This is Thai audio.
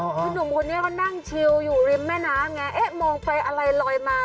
คือหนุ่มคนนี้เขานั่งชิวอยู่ริมแม่น้ำไงเอ๊ะมองไปอะไรลอยมา